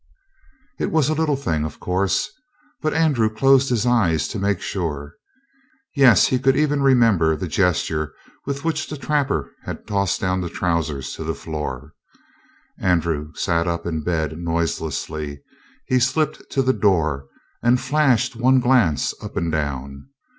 It was a little thing, of course, but Andrew closed his eyes to make sure. Yes, he could even remember the gesture with which the trapper had tossed down the trousers to the floor. Andrew sat up in bed noiselessly. He slipped to the door and flashed one glance up and down.